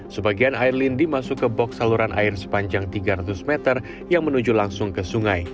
sebagian air lindi masuk ke box saluran air sepanjang tiga ratus meter yang menuju langsung ke sungai